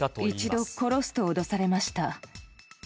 １度、殺すと脅されました。